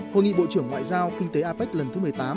hội nghị bộ trưởng ngoại giao kinh tế apec lần thứ một mươi tám